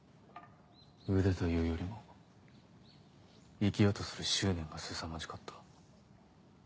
腕というよりも生きようとする執念がすさまじかった。